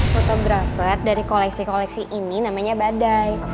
fotografer dari koleksi koleksi ini namanya badai